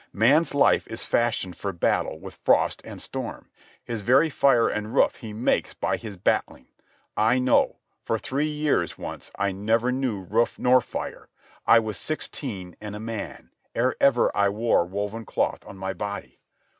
Man's life is fashioned for battle with frost and storm. His very fire and roof he makes by his battling. I know. For three years, once, I knew never roof nor fire. I was sixteen, and a man, ere ever I wore woven cloth on my body.